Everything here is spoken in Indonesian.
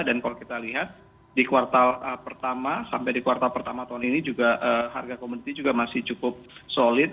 dan kalau kita lihat di kuartal pertama sampai di kuartal pertama tahun ini juga harga komoditi juga masih cukup solid